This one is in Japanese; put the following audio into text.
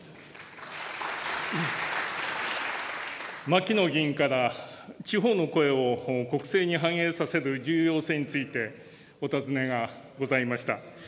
牧野議員から地方の声を国政に反映させる重要性についてお尋ねがございました。